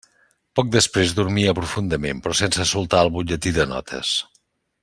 Poc després dormia profundament, però sense soltar el butlletí de notes.